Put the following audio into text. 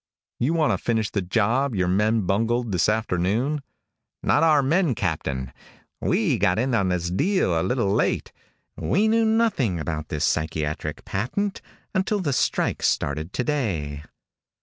"You want to finish the job your men bungled this afternoon?" "Not our men, Captain. We got in on this deal a little late. We knew nothing about this psychiatric patent until the strikes started today."